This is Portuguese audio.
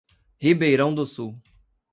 Ribeirão do Sul